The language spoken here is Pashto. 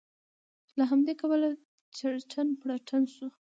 له همدې کبله چړتن پړتن شو.